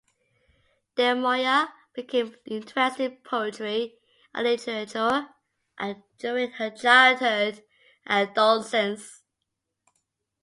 De Moya became interested in poetry and literature at during her childhood and adolescence.